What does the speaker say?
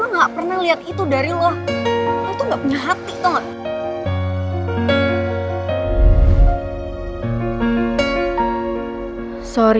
gue gak pernah liat itu dari lo lo itu gak punya hati tau gak